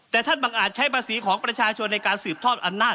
แต่ท่านบังอาจใช้ภาษีของประชาชนในการสืบทอดอำนาจ